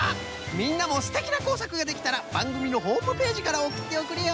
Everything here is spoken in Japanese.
みんなもすてきなこうさくができたらばんぐみのホームページからおくっておくれよ。